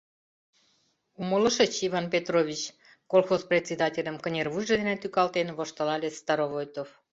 — Умылышыч, Иван Петрович? — колхоз председательым кынервуйжо дене тӱкалтен, воштылале Старовойтов.